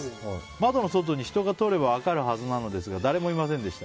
窓の外に人が通れば分かるはずなのですが誰もいませんでした。